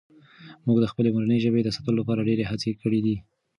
موږ د خپلې مورنۍ ژبې د ساتلو لپاره ډېرې هڅې کړي دي.